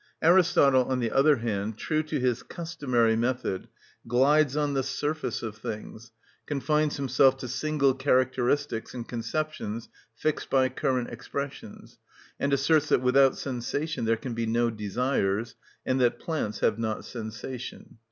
Aristotle, on the other hand, true to his customary method, glides on the surface of things, confines himself to single characteristics and conceptions fixed by current expressions, and asserts that without sensation there can be no desires, and that plants have not sensation.